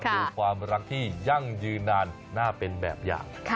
ดูความรักที่ยั่งยืนนานน่าเป็นแบบอย่าง